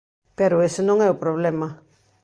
Pero ese non é o problema.